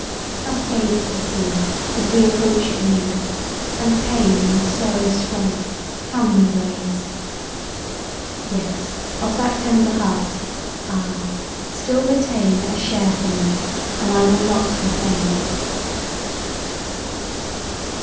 How fades the scene, as we approach it near, And pain and sorrow strike how many ways! Yet of that tender heart, ah! still retain A share for me and I will not complain!